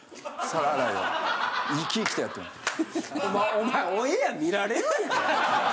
お前オンエア見られるやん。